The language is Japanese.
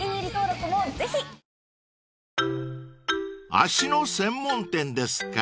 ［足の専門店ですか。